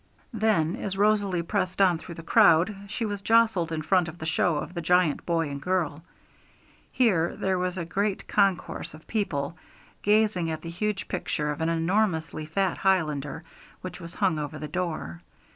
Then, as Rosalie pressed on through the crowd, she was jostled in front of the show of the Giant Boy and Girl. Here there was a great concourse of people, gazing at the huge picture of an enormously fat Highlander, which was hung over the door.